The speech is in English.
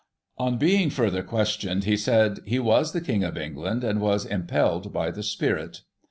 On being further questioned, he said " he was the King of England, and was im pelled by the Spirit."